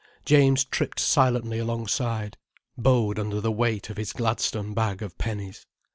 James tripped silently alongside, bowed under the weight of his Gladstone bag of pennies.